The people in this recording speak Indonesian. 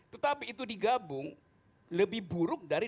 tetapi itu digabung lebih buruk dari dua ribu lima belas